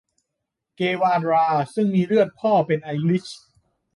เกวารา ซึ่งมีเลือดพ่อเป็นไอริช